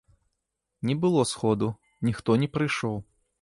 Не было сходу, ніхто не прыйшоў.